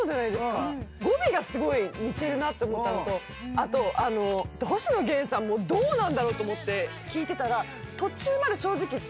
あと星野源さんもどうなんだろうと思って聴いてたら。